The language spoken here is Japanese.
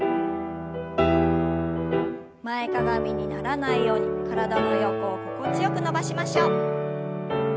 前かがみにならないように体の横を心地よく伸ばしましょう。